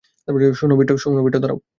শোনো, বিট্টো, দাঁড়াও!